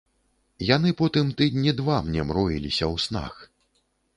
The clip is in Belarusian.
Яны потым тыдні два мне мроіліся ў снах.